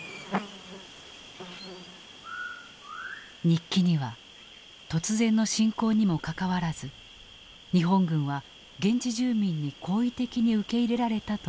日記には突然の侵攻にもかかわらず日本軍は現地住民に好意的に受け入れられたと記されていた。